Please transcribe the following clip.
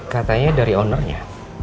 katanya dari ownernya